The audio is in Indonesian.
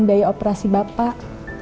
bayi operasi bapak